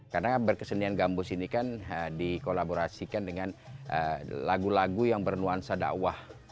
karena berkesenian gambus ini kan dikolaborasikan dengan lagu lagu yang bernuansa dakwah